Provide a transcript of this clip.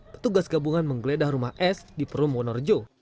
petugas gabungan menggeledah rumah s di perum wonorejo